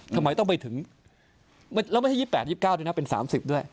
ทำไมต้องไปถึงแล้วไม่ใช่๒๘๒๙ด้วยนะเป็น๓๐ด้วย